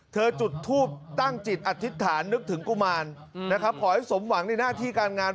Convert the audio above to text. จุดทูปตั้งจิตอธิษฐานนึกถึงกุมารนะครับขอให้สมหวังในหน้าที่การงาน